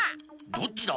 どっちだ？